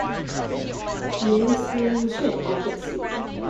A man is steering his ship out at sea.